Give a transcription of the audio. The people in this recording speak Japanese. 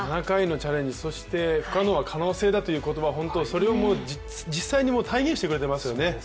７回のチャレンジ、そして不可能は可能だという言葉、本当、それを実際に体現してくれてますよね。